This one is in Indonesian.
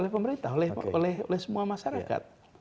pemerintah oleh semua masyarakat